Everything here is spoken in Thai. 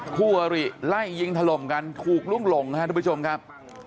ควริไล่ยิงถล่มกันคูกลุ้งหลงค่ะทุกผู้ชมครับ